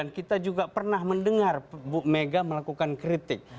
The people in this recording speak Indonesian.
dan kita juga pernah mendengar bu mega melakukan kritik